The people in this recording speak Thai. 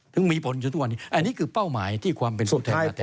ถึงมีผลอยู่ตัววันนี้อันนี้คือเป้าหมายที่ความเป็นภูเทงอาทิตย์ต้น